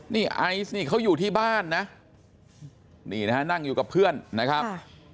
นี่ไอซ์นี่เขาอยู่ที่บ้านนะนี่นะฮะนั่งอยู่กับเพื่อนนะครับ